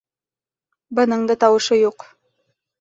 Бының да тауышы юҡ.